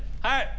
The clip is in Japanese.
はい。